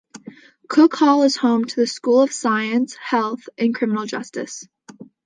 Cook Hall is home to the School of Science, Health and Criminal Justice.